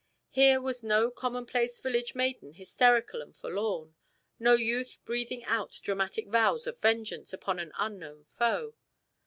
Here was no commonplace village maiden hysterical and forlorn, no youth breathing out dramatic vows of vengeance upon an unknown foe.